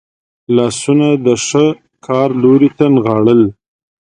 لاسونه د ښه کار لوري ته نغاړل.